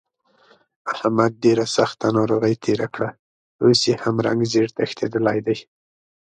احمد ډېره سخته ناروغۍ تېره کړه، اوس یې هم رنګ زېړ تښتېدلی دی.